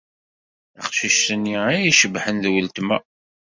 Taqcict-nni ay icebḥen d weltma.